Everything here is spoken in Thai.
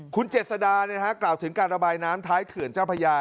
คุณเจ็ดสดาเนี้ยฮะกล่าวถึงการระบายน้ำท้ายเขื่อนเจ้าพระยา